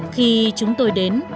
khi chúng tôi đến